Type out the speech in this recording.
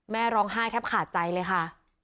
แม่ร้องไห้แทบขาดใจเลยค่ะ